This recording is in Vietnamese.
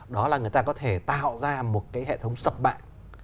đó là người ta có thể tạo ra một cái hệ thống sập mạng